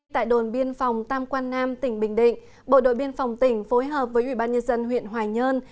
tại đồn biên phòng tam quan nam tỉnh bình định bộ đội biên phòng tỉnh phối hợp với ủy ban nhân dân huyện hoài nhơn